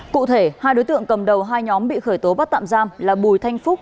cụ thể hai đối tượng cầm đầu hai nhóm bị khởi tố bắt tạm giam là bùi thanh phúc